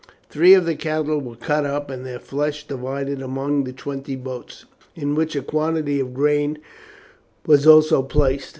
Three of the cattle were cut up, and their flesh divided among the twenty boats, in which a quantity of grain was also placed.